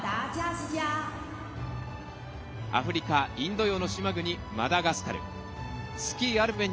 アフリカ、インド洋の島国マダガスカル。